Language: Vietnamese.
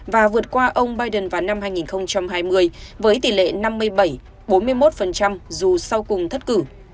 và vượt qua ông biden vào năm hai nghìn hai mươi với tỷ lệ năm mươi bảy bốn mươi một dù sau cùng thất cử